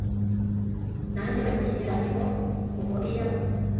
Nanjye dore mushyiranyeho Oholiyabu,